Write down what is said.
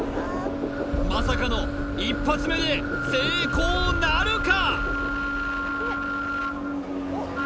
まさかの一発目で成功なるか！？